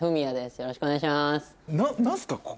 よろしくお願いします。